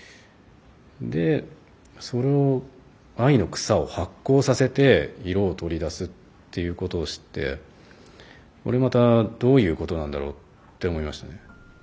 でそれを藍の草を発酵させて色を取り出すっていうことを知ってこれまたどういうことなんだろうって思いましたね。